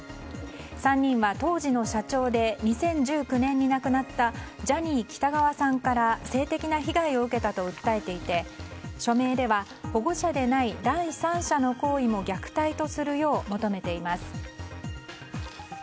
３人は当時の社長で２０１９年に亡くなったジャニー喜多川さんから性的な被害を受けたと訴えていて署名では保護者でない第三者の行為も虐待とするよう求めています。